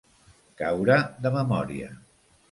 Caure de memòria.